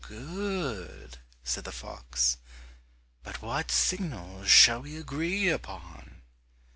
"Good," said the fox, "but what signal shall we agree upon?"